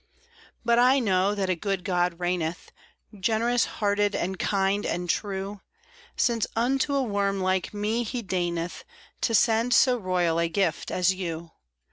But I know that a good God reigneth, Generous hearted and kind and true; Since unto a worm like me he deigneth To send so royal a gift as you.